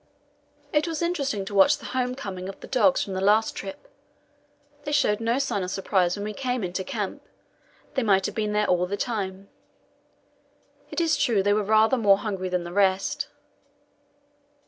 It was interesting to watch the home coming of the dogs from the last trip. They showed no sign of surprise when we came into camp; they might have been there all the time. It is true they were rather more hungry than the rest.